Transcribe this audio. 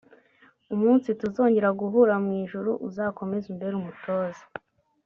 umunsi tuzongera guhura mu ijuru uzakomeze umbere umutoza